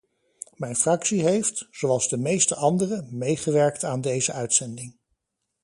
Mijn fractie heeft, zoals de meeste andere, meegewerkt aan deze uitzending.